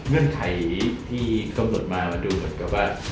เมื่อนไขที่สมดุลมามาดูก็ว่า